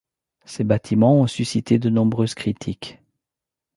Ces bâtiments ont suscité de nombreuses critiques.